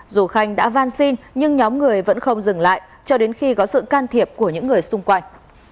dù khanh đã van xin nhưng nhóm người vẫn không dừng lại cho đến khi có sự can thiệp của những người xung quanh